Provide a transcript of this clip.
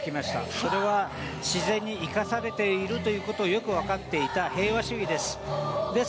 それは自然に生かされているということをよく分かっていた平和主義です。